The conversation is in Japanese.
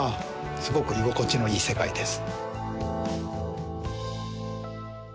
すごく居心地のいい世界です。